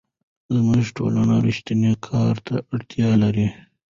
زموږ ټولنه رښتیني کار ته اړتیا لري.